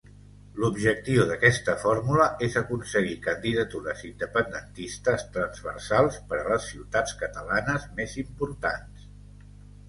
L'objectiu d'aquesta fórmula és aconseguir candidatures independentistes transversals per a les ciutats catalanes més importants.